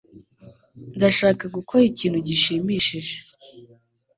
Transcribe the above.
Ndashaka gukora ikintu gishimishije.